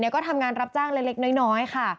ก็ทำงานรับจ้างเล็กน้อยค่ะ